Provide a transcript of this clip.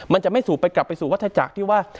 มันจะไม่สูบไปกลับไปสู่วัฒจักรที่ว่า